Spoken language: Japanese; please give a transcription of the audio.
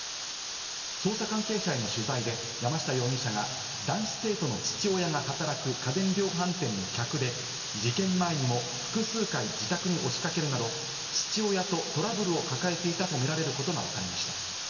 捜査関係者への取材で山下容疑者が男子生徒の父親が働く家電量販店の客で、事件前にも複数回、自宅に押しかけるなど父親とトラブルを抱えていたとみられることがわかりました。